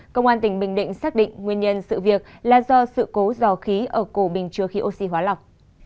công an tỉnh bình định xác định nguyên nhân sự việc là do sự cố dò khí ở cổ bình chứa khí oxy hóa lỏng